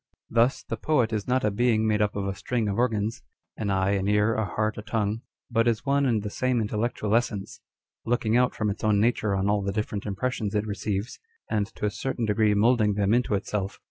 Thus the poet is not a being made up of a string of organs â€" an eye, an ear, a heart, a tongue â€" but is one and the same intellectual essence, looking out from its own nature on all the different impressions it receives, and to a certain degree moulding them into itself.